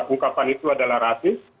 ungkapan itu adalah rasus